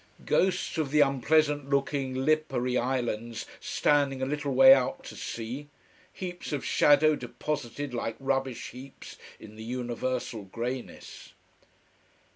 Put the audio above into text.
Ghosts of the unpleasant looking Lipari islands standing a little way out to sea, heaps of shadow deposited like rubbish heaps in the universal greyness.